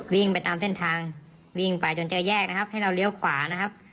วิ่งไปตามเส้นทางวิ่งไปจนเจอแยกนะครับให้เราเลี้ยวขวานะครับ